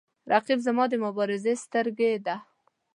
رقیب زما د مبارزې سترګې ده